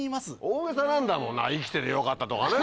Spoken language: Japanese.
大げさなんだもんな「生きててよかった」とかね。